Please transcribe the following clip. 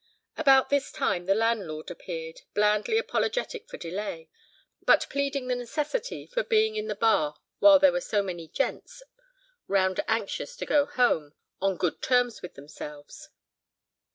About this time the landlord appeared, blandly apologetic for delay, but pleading the necessity for being in the bar while there were so many "gents" round anxious to go home on good terms with themselves.